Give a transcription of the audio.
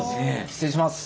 失礼します。